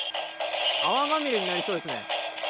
泡まみれになりそうですね。